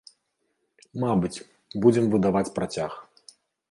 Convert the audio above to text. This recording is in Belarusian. Мабыць, будзем выдаваць працяг.